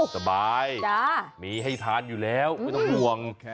สบายมีให้ทานอยู่แล้วไม่ต้องห่วง